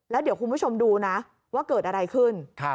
แล้วเดี๋ยวคุณผู้ชมดูนะว่าเกิดอะไรขึ้น